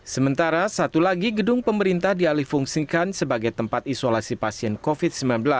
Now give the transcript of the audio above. sementara satu lagi gedung pemerintah dialih fungsikan sebagai tempat isolasi pasien covid sembilan belas